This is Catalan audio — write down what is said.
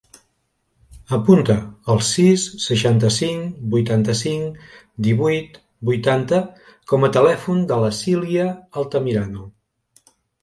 Apunta el sis, seixanta-cinc, vuitanta-cinc, divuit, vuitanta com a telèfon de la Silya Altamirano.